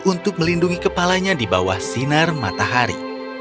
untuk melindungi kepalanya di bawah sinar matahari